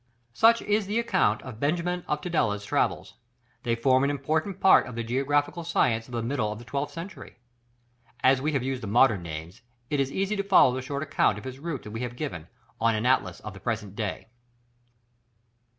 Such is the account of Benjamin of Tudela's travels; they form an important part of the geographical science of the middle of the twelfth century. As we have used the modern names, it is easy to follow the short account of his route that we have given, on any atlas of the present day.